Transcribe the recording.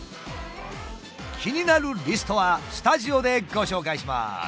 気になるリストはスタジオでご紹介します！